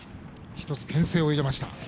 １つ、けん制を入れました。